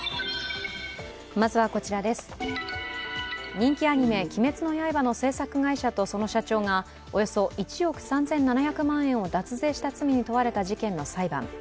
人気アニメ「鬼滅の刃」の制作会社とその社長がおよそ１億３７００万円を脱税した罪に問われた事件の裁判。